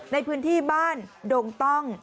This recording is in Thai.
ในพื้นที่บ้านดงต้อง